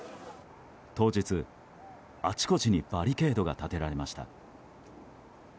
当日、あちこちにバリケードが立てられました。